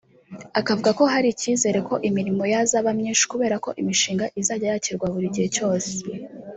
Akavuga ko hari ikizere ko imirimo yazaba myinshi kubera ko imishinga izajya yakirwa buri gihe cyose